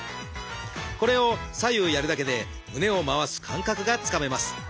これを左右やるだけで胸を回す感覚がつかめます。